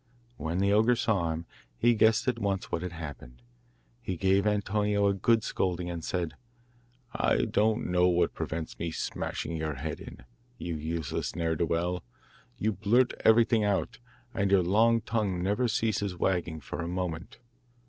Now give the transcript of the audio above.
When the ogre saw him, he guessed at once what had happened. He gave Antonio a good scolding, and said, 'I don't know what prevents me smashing your head in, you useless ne'er do well! You blurt everything out, and your long tongue never ceases wagging for a moment.